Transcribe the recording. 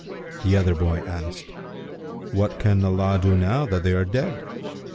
The other boy asked, "What can Allah do now that they are dead?"